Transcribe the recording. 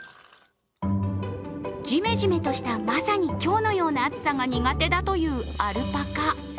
ジメジメとした、まさに今日のような暑さが苦手だというアルパカ。